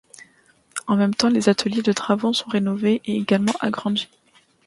En même temps les ateliers de travaux sont rénovés et également agrandis.